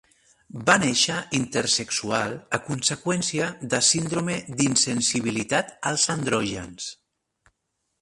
Va néixer intersexual a conseqüència de síndrome d'insensibilitat als andrògens.